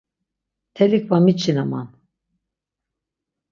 Mtelik var miçinaman.